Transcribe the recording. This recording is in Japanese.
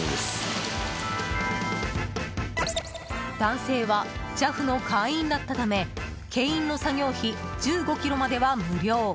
男性はＪＡＦの会員だったため牽引の作業費１５ｋｍまでは無料。